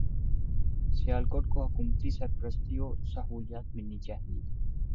سیالکوٹ کو حکومتی سرپرستی و سہولیات ملنی چاہیے